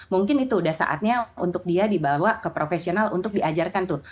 mungkin itu udah saatnya untuk dia dibawa ke profesional untuk diajarkan tuh